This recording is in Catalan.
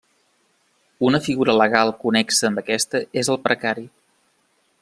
Una figura legal connexa amb aquesta és el precari.